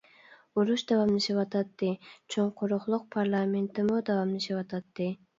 ئۇرۇش داۋاملىشىۋاتاتتى، چوڭ قۇرۇقلۇق پارلامېنتىمۇ داۋاملىشىۋاتاتتى.